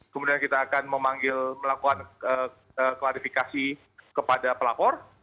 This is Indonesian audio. kemudian kita akan memanggil melakukan klarifikasi kepada pelapor